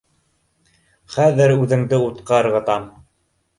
— Хәҙер үҙеңде утҡа ырғытам